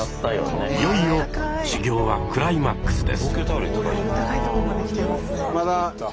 いよいよ修行はクライマックスです。